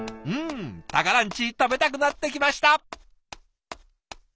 うんたからんち食べたくなってきました！